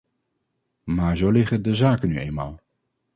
Maar zo liggen de zaken nu eenmaal.